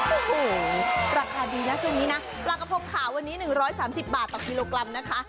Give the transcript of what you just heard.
โอ้โหราคาดีนะช่วงนี้นะรักภพค่ะวันนี้หนึ่งร้อยสามสิบบาทต่อกิโลกรัมนะคะ